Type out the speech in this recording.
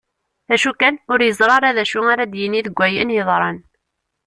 D acu kan ur yeẓri ara d acu ara d-yini deg wayen yeḍran.